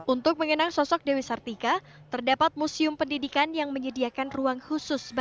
untuk mengenang sosok dewi sartika terdapat museum pendidikan yang menyediakan ruang khusus